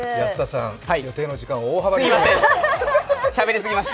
安田さん、予定の時間を大幅に過ぎました。